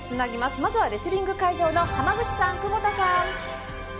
まずはレスリングの会場の浜口さん、久保田さん。